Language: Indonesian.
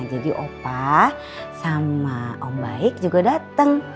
jadi opa sama om baik juga dateng